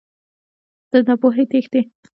له ناپوهۍ تښتې.